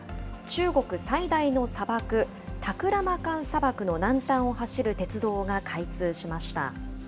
中国最大の砂漠、タクラマカン砂漠の南端を走る鉄道が開通しました。